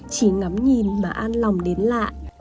chỉ ngắm nhìn mà an lòng đến lạ